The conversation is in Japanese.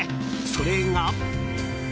それが。